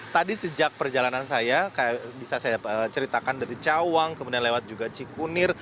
tadi sejak perjalanan saya bisa saya ceritakan dari cawang kemudian lewat juga cikunir